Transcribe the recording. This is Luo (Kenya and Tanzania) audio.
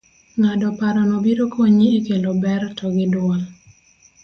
ng'ado parono biro konyi e kelo ber to gi duol